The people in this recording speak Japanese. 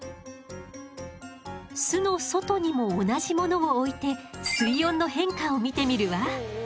巣の外にも同じものを置いて水温の変化を見てみるわ。